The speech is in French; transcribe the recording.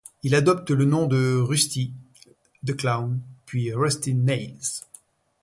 Il adopte le nom de Rusty the clown, puis Rusty Nails.